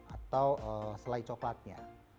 atau selai coklatnya